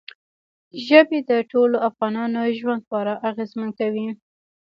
ژبې د ټولو افغانانو ژوند خورا اغېزمن کوي.